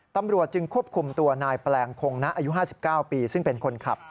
ตำรวจจึงควบคุมตัวนายแปลงคงนะอายุ๕๙ปีซึ่งเป็นคนขับ